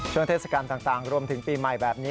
ช่วงเทศกรรมต่างรวมถึงปีใหม่แบบนี้